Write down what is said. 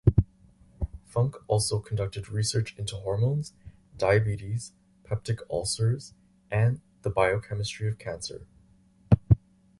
Funk also conducted research into hormones, diabetes, peptic ulcers, and the biochemistry of cancer.